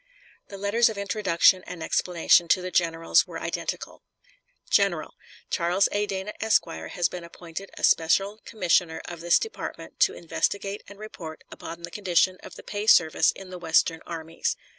The letters of introduction and explanation to the generals were identical: GENERAL: Charles A. Dana, Esq., has been appointed a special commissioner of this department to investigate and report upon the condition of the pay service in the Western armies.